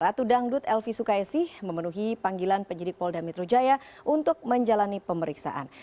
ratu dangdut elvi sukaisi memenuhi panggilan penyidik polda metro jaya untuk menjalani pemeriksaan